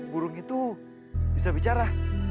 burung itu bisa bicara